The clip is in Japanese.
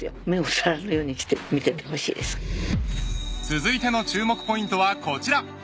［続いての注目ポイントはこちら］